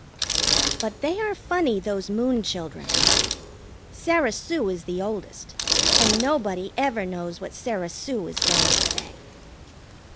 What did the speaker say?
But they are funny, those Moon children. Sarah Sue is the oldest, and nobody ever knows what Sarah Sue is going to say.